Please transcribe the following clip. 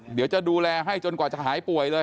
เดี๋ยวจะดูแลให้จนกว่าจะหายป่วยเลย